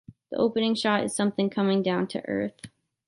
The opening shot is something coming down to earth.